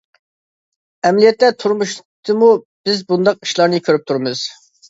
ئەمەلىيەتتە تۇرمۇشتىمۇ بىز بۇنداق ئىشلارنى كۆرۈپ تۇرىمىز.